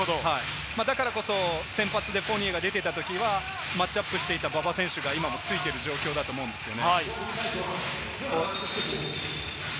だからこそ先発でフォーニエが出ていたときにはマッチアップしていた馬場選手が今もついている状況だと思うんですよね。